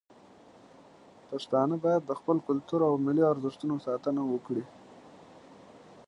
پښتانه باید د خپل کلتور او ملي ارزښتونو ساتنه وکړي.